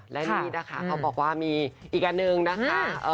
แล้วนี้นะคะมีอีกอันหนึ่งนะคะ